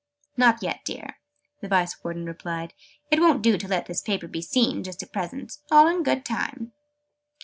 "Not yet, dear," the Vice Warden replied. "It won't do to let this paper be seen, just at present. All in good time."